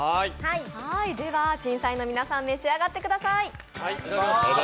では審査員の皆さん、召し上がってください。